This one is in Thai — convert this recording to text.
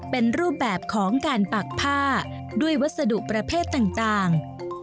เป็นรูปแบบของการปักผ้าด้วยวัสดุประเภทต่าง